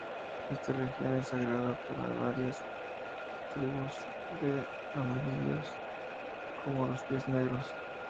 Esta región es sagrada para varias tribus de amerindios como los pies negros.